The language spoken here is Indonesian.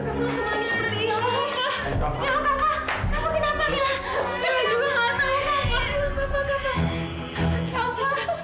papa beneran takut